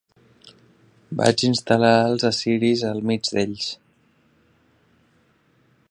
Vaig instal·lar els assiris al mig d'ells.